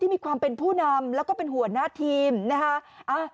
มีความเป็นผู้นำแล้วก็เป็นหัวหน้าทีมนะคะ